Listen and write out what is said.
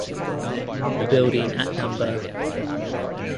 The building at no.